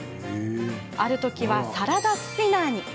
ある時はサラダスピナーに。